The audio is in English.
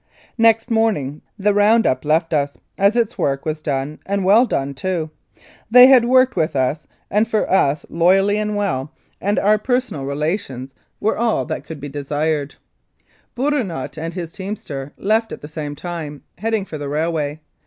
Next morning the round up left us, as its work was done, and well done, too. They had worked with us and for us loyally and well, and our personal relations 176 Wholesale Cattle Smuggling were all that could be desired. Bourinot and his teamster left at the same time, heading for the railway.